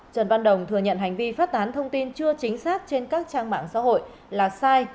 trần văn đồng thừa nhận hành vi phát tán thông tin chưa chính xác trên các trang mạng xã hội là sai